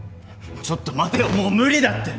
ちょっと待てよもう無理だって！